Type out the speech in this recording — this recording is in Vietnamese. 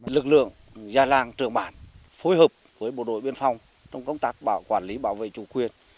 lực lượng già làng trưởng bản phối hợp với bộ đội biên phòng trong công tác quản lý bảo vệ chủ quyền